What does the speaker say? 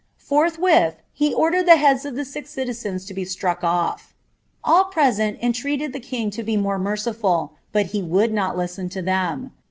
Ponhwith he oidind the heads of the sis citizens to be struck off. All present enlrrvlad ih* king to he more merciful, but lie would not lisieo to them.